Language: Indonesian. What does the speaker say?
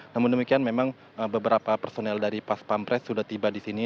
namun demikian memang beberapa personel dari pas pampres sudah tiba di sini